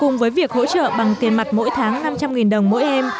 cùng với việc hỗ trợ bằng tiền mặt mỗi tháng năm trăm linh đồng mỗi em